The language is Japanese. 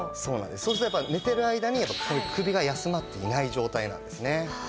そうするとやっぱ寝てる間に首が休まっていない状態なんですね。